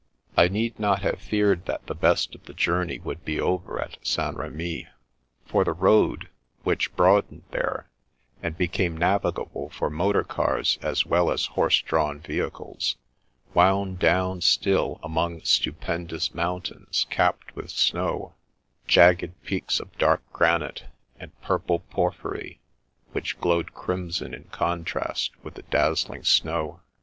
I need not have feared that the best of the journey would be over at St. Rhemy, for the road (which broadened there, and became " navigable " for motor cars as well as horse drawn vehicles), wound down still among stupendous mountains capped with snow, jagged peaks of dark granite, and purple porphyry which glowed crimson in contrast with the dazzling snow.